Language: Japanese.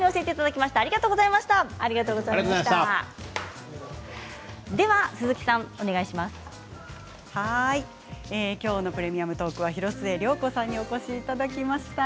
きょうの「プレミアムトーク」は広末涼子さんにお越しいただきました。